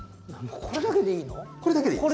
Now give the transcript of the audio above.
これだけでいいの？